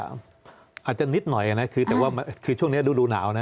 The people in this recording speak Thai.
อาจจะนิดหน่อยแต่ว่าช่วงนี้ดูหนาวนะ